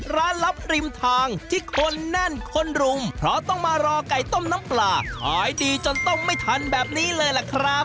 ลับริมทางที่คนแน่นคนรุมเพราะต้องมารอไก่ต้มน้ำปลาขายดีจนต้มไม่ทันแบบนี้เลยล่ะครับ